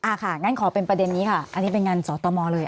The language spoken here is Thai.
ค่ะงั้นขอเป็นประเด็นนี้ค่ะอันนี้เป็นงานสตมเลย